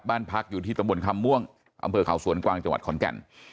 บ้านพักอยู่ที่ตำบลคำม่วงอำเภอเขาสวนกวางจังหวัดขอนแก่น